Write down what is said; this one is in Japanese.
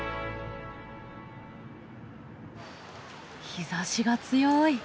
日ざしが強い。